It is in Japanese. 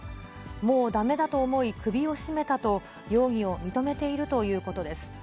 もうだめだと思い、首を絞めたと、容疑を認めているということです。